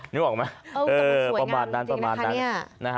นึกออกไหมประมาณนั้น